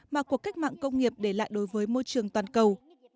mà cuộc cách mạng công nghiệp để lại đối với môi trường toàn cầu